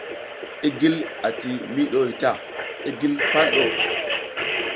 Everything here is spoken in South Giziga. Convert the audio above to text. I gil ati miyi ɗuhoy ta, i gil pal ɗu.